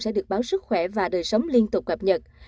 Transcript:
sẽ được báo sức khỏe và đời sống liên tục cập nhật